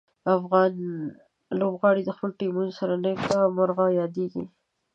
افغان لوبغاړي د خپلو ټیمونو سره نیک مرغه یادیږي.